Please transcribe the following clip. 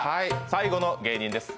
最後の芸人です。